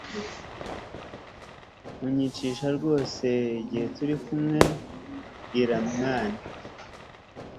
unyishisha rwose igihe turikumwe bwira mwana